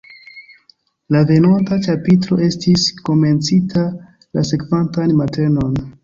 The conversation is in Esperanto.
La venonta ĉapitro estis komencita la sekvantan matenon.